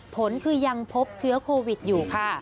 ผลคือยังพบเชื้อโควิดอยู่ค่ะ